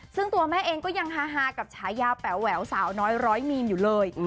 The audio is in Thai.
ซึ่งตัวแม่เองก็ยังฮากับฉายาแป๋วแหววสาวน้อยร้อยมีนอยู่เลย